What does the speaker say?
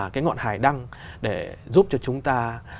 cái ngọn hải đăng để giúp cho chúng ta